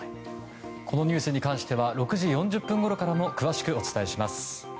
このニュースに関しては６時４０分ごろからも詳しくお伝えします。